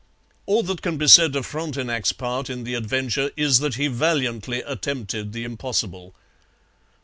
All that can be said of Frontenac's part in the adventure is that he valiantly attempted the impossible.